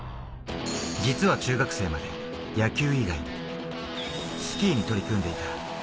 実は中学生まで野球以外、スキーに取り組んでいた。